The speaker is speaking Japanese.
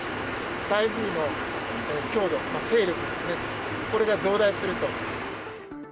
台風の強度、勢力ですね、これが増大すると。